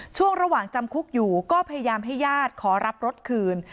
ช่วงระหว่างจำคุกอยู่ก็พยายามให้ญาติขอรับรถคืน